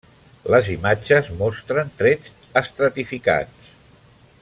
Les imatges mostren trets estratificats.